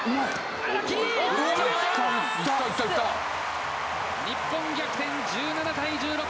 荒木！日本逆転１７対１６。